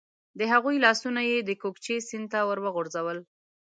د هغوی لاسونه یې د کوکچې سیند ته ور وغورځول.